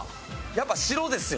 やっぱ白ですよ。